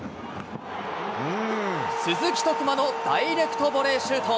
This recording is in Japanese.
鈴木徳真のダイレクトボレーシュート。